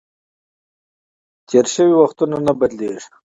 تېر شوي وختونه نه بدلیږي .